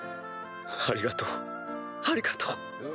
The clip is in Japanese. ありがとうありがとう！